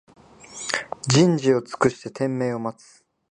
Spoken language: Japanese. じんじをつくしててんめいをまつ